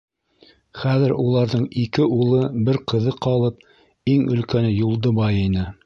Хәҙер уларҙың ике улы, бер ҡыҙы ҡалып, иң өлкәне Юлдыбай ине.